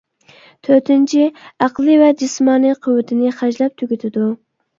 تۆتىنچى، ئەقلىي ۋە جىسمانىي قۇۋۋىتىنى خەجلەپ تۈگىتىدۇ.